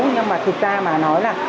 nhưng mà thực ra mà nói là